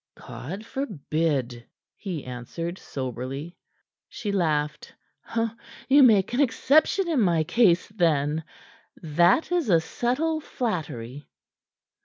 "God forbid!" he answered soberly. She laughed. "You make an exception in my case, then. That is a subtle flattery!"